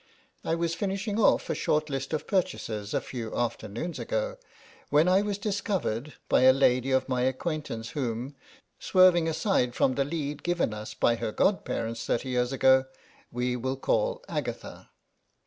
I was finishing off a short list of purchases a few afternoons ago when I was discovered by a THE SEX THAT DOESNTT SHOP 29 lady of my acquaintance whom, swerving aside from the lead given us by her god parents thirty years ago, we will call Agatha.